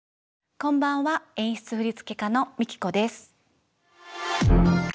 こんばんは演出振付家のＭＩＫＩＫＯです。